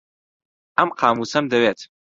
ئەم قامووسەم دەوێت.